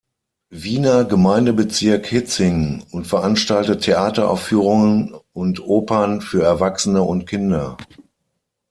Wiener Gemeindebezirk Hietzing und veranstaltet Theateraufführungen und Opern für Erwachsene und Kinder.